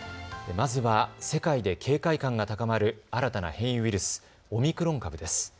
まずは世界で警戒感が高まる新たな変異ウイルス、オミクロン株です。